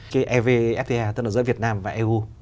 cái ev fta tức là giữa việt nam và eu